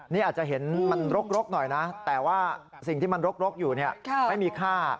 นี่อาจจะเห็นมันรกหน่อยนะแต่ว่าสิ่งที่มันรกอยู่ไม่มีค่า